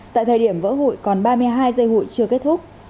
tại thời điểm vỡ hụi còn ba mươi hai giây hụi chưa kết thúc